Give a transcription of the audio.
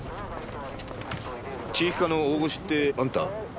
地域課の大越ってあんた？